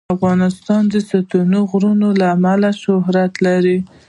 افغانستان د ستوني غرونه له امله شهرت لري.